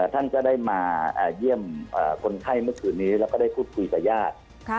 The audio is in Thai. ท่านก็ได้มาเยี่ยมคนไข้เมื่อคืนนี้แล้วก็ได้พูดคุยกับญาติ